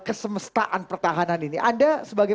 kesemestaan pertahanan ini anda sebagai